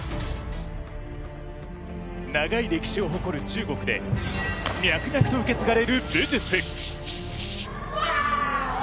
長い歴史を誇る中国で脈々と受け継がれる武術。